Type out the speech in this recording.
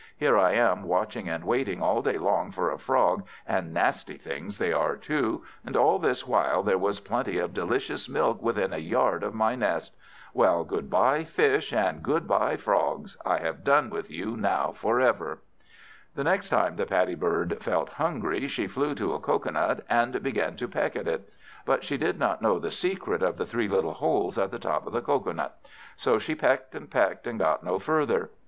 Here am I, watching and waiting all day long for a frog, and nasty things they are too, and all this while there was plenty of delicious milk within a yard of my nest! Well, good bye fish, and good bye frogs; I have done with you now for ever." The next time the Paddy bird felt hungry, she flew to a cocoa nut and began to peck at it. But she did not know the secret of the three little holes at the top of the cocoa nut; so she pecked, and pecked, and got no further.